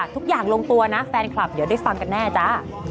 ทุกอย่างลงตัวนะแฟนคลับเดี๋ยวได้ฟังกันแน่จ้า